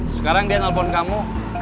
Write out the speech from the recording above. sekarang dia telepon kamu